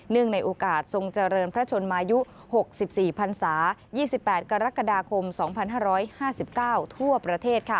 ในโอกาสทรงเจริญพระชนมายุ๖๔พันศา๒๘กรกฎาคม๒๕๕๙ทั่วประเทศ